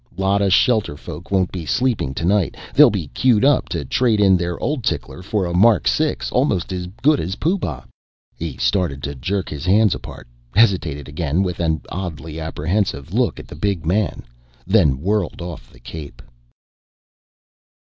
Lot of shelterfolk won't be sleeping tonight. They'll be queued up to trade in their old tickler for a Mark 6 almost as good as Pooh Bah." He started to jerk his hands apart, hesitated again with an oddly apprehensive look at the big man, then whirled off the cape.